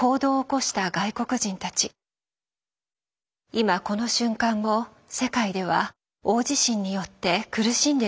今この瞬間も世界では大地震によって苦しんでいる人々がいます。